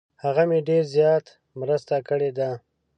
هغه مې ډیر زیاته مرسته کړې ده.